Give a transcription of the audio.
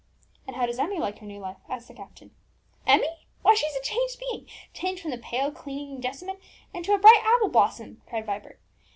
"And how does Emmie like her new life?" asked the captain. "Emmie! why, she's a changed being changed from the pale, clinging jessamine, into a bright apple blossom!" cried Vibert.